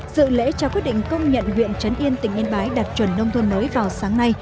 dự lễ trao quyết định công nhận huyện trấn yên tỉnh yên bái đạt chuẩn nông thôn mới vào sáng nay